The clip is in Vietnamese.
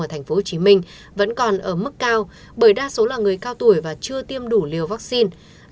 ở tp hcm vẫn còn ở mức cao bởi đa số là người cao tuổi và chưa tiêm đủ liều vaccine